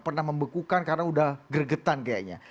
pernah membekukan karena udah gregetan kayaknya